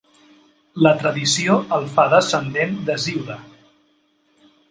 La tradició el fa descendent d'Hesíode.